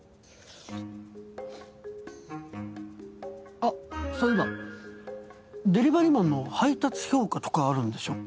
あっそういえばでりばりマンの配達評価とかあるんでしょ？